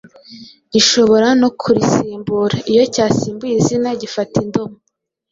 gishobora no kurisimbura. Iyo cyasimbuye izina, gifata indomo.